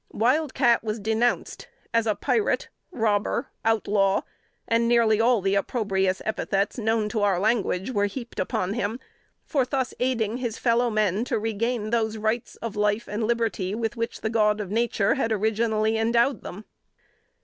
Wild Cat was denounced as a "pirate" "robber" "OUTLAW;" and nearly all the opprobrious epithets known to our language were heaped upon him, for thus aiding his fellow men to regain those rights to life and liberty with which the God of Nature had originally endowed them.